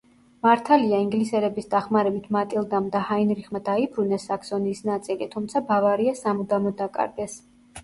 მართალია ინგლისელების დახმარებით მატილდამ და ჰაინრიხმა დაიბრუნეს საქსონიის ნაწილი, თუმცა ბავარია სამუდამოდ დაკარგეს.